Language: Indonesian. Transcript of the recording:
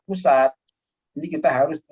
pusat ini kita harus